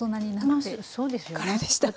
まあそうですよね。